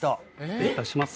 失礼いたします。